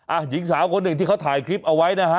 หญิงสาวคนหนึ่งที่เขาถ่ายคลิปเอาไว้นะฮะ